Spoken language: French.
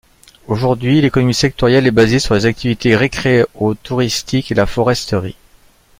Aujourd'hui, l'économie sectorielle est basée sur les activités récréo-touristiques et la foresterie.